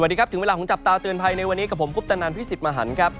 สวัสดีครับถึงเวลาของจับตาเตือนภัยในวันนี้กับผมคุปตนันพี่สิทธิ์มหันครับ